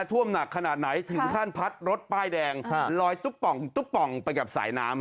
ท่วมหนักขนาดไหนถึงขั้นพัดรถป้ายแดงลอยตุ๊บป่องตุ๊บป่องไปกับสายน้ำ